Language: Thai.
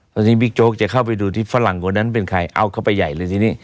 ตอนนี้บิ๊กโจ๊กจะเข้าไปดูที่ฝรั่งคนนั้นเป็นใครเอาเข้าไปใหญ่เลยทีนี้